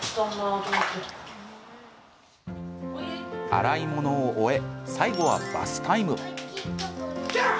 洗い物を終え、最後はバスタイム。